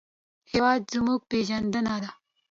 هېواد زموږ پېژندنه ده